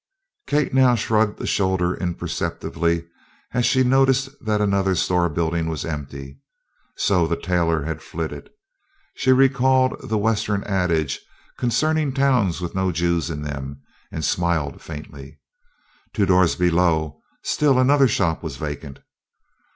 Kate now shrugged a shoulder imperceptibly as she noted that another store building was empty. So the tailor had flitted? She recalled the Western adage concerning towns with no Jews in them and smiled faintly. Two doors below, still another shop was vacant.